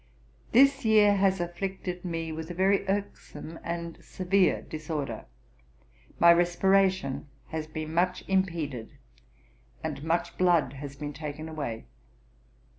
'This year has afflicted me with a very irksome and severe disorder. My respiration has been much impeded, and much blood has been taken away.